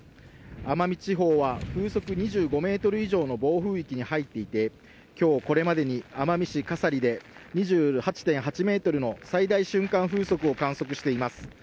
奄美地方は、風速２５メートル以上の暴風域に入っていて、きょうこれまでに奄美市笠利で２８．８メートルの最大瞬間風速を観測しています。